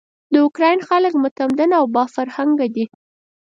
د اوکراین خلک متمدن او با فرهنګه دي.